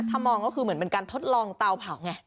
ถ้ามองก็คือเหมือนเป็นการทดลองเตาเผาไง